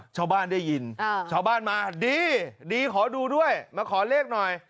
ชาวบ้านได้ยินชาวบ้านมาดีดีขอดูด้วยมาขอเลขหน่อย